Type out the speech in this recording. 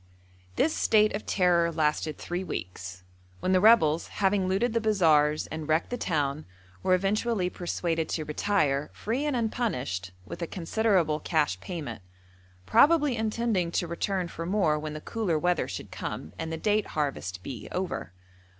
This state of terror lasted three weeks, when the rebels, having looted the bazaars and wrecked the town, were eventually persuaded to retire, free and unpunished, with a considerable cash payment; probably intending to return for more when the cooler weather should come, and the date harvest be over.